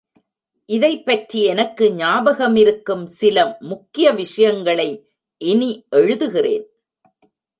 இதைப்பற்றி எனக்கு ஞாபகம் இருக்கும் சில முக்கிய விஷயங்களை இனி எழுதுகிறேன்.